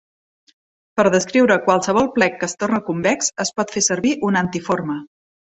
Per descriure qualsevol plec que es torna convex, es pot fer servir un antiforme.